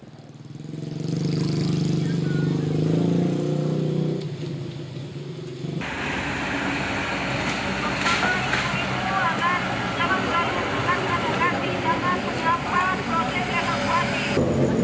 kepala badan penanggulangan bencana daerah bpbd sulawesi selatan syamsi bar mengatakan